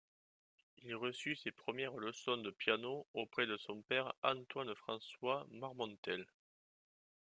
Il reçut ses premières leçons de piano auprès de son père Antoine François Marmontel.